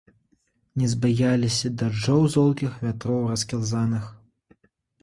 Не збаяліся дажджоў золкіх, вятроў раскілзаных.